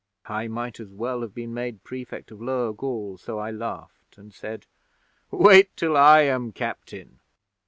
'I might as well have been made Prefect of Lower Gaul, so I laughed and said, "Wait till I am Captain."